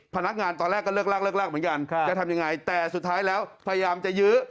พนักงานตอนแรกก็เลิกลากเลิกลากเหมือนกันจะทำยังไงแต่สุดท้ายแล้วพยายามจะยื้อ